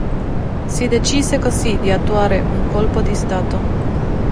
Si decise così di attuare un colpo di Stato.